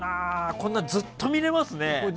こんなのずっと見れますね。